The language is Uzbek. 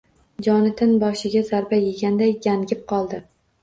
— Jonatan boshiga zarba yeganday gangib qoldi.